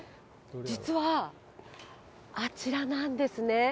実は、あちらなんですね。